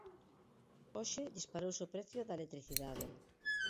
Hoxe disparouse o prezo da electricidade.